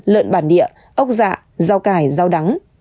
lợn bản địa ốc dạ rau cải rau đắng